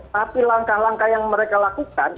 tapi langkah langkah yang mereka lakukan